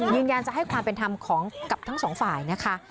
ยืนยันจะให้ความเป็นธรรมของกับทั้งสองฝ่ายนะคะ